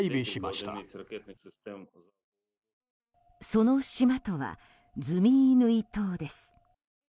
その島とはズミイヌイ島です。